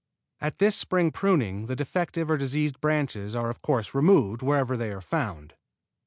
At this spring pruning the defective or diseased branches are of course removed wherever they are found.